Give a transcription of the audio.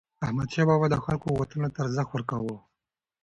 احمدشاه بابا د خلکو غوښتنو ته ارزښت ورکاوه.